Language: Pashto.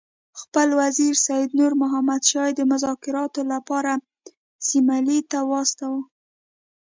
خپل وزیر سید نور محمد شاه یې د مذاکراتو لپاره سیملې ته واستاوه.